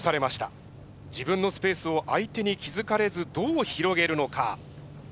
自分のスペースを相手に気付かれずどう広げるのか。